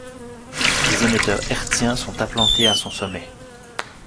Des émetteurs hertziens sont implantés à son sommet.